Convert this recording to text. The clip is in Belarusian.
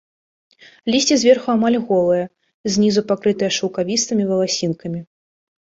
Лісце зверху амаль голае, знізу пакрытае шаўкавістымі валасінкамі.